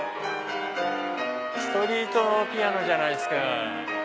ストリートピアノじゃないですか。